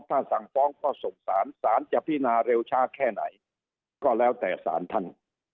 ถ้าสั่งฟ้องก็ส่งสารสารจะพินาเร็วช้าแค่ไหนก็แล้วแต่สารท่าน